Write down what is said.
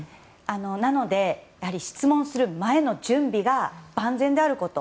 なので質問する前の準備が万全であること。